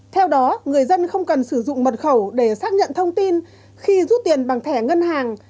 theo đó người dân không cần sử dụng mật khẩu để xác nhận thông tin khi rút tiền bằng thẻ ngân hàng